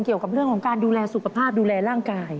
เกี่ยวกับเรื่องของการดูแลสุขภาพดูแลร่างกาย